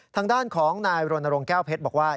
ทางด้านของนายรณรงค์แก้วเพชรบอกว่า